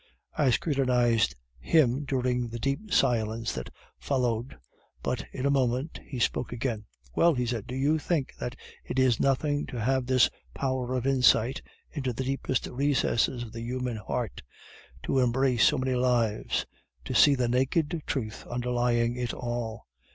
I scrutinized him during the deep silence that followed, but in a moment he spoke again. 'Well,' he said, 'do you think that it is nothing to have this power of insight into the deepest recesses of the human heart, to embrace so many lives, to see the naked truth underlying it all?